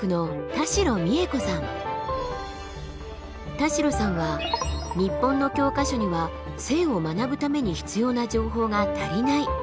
田代さんは日本の教科書には性を学ぶために必要な情報が足りないと指摘する。